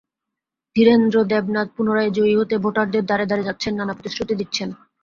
ধীরেন্দ্র দেবনাথ পুনরায় জয়ী হতে ভোটারদের দ্বারে দ্বারে যাচ্ছেন, নানা প্রতিশ্রুতি দিচ্ছেন।